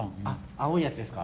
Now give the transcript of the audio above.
青いやつですか？